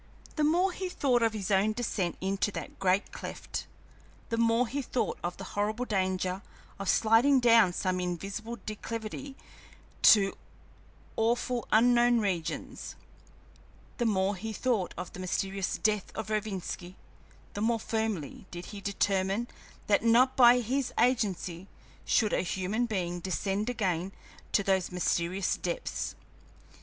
The more he thought of his own descent into that great cleft, the more he thought of the horrible danger of sliding down some invisible declivity to awful, unknown regions; the more he thought of the mysterious death of Rovinski, the more firmly did he determine that not by his agency should a human being descend again to those mysterious depths.